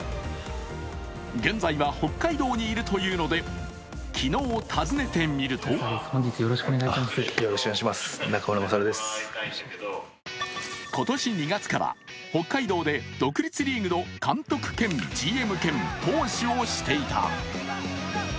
現在は北海道にいるというので昨日、訪ねてみると今年２月から北海道で独立リーグの監督兼ＧＭ兼投手をしていた。